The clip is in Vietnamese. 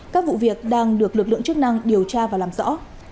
các vụ việc đang được lực lượng chức năng điều tra và làm rõ